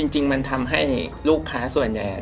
จริงมันทำให้ลูกค้าส่วนใหญ่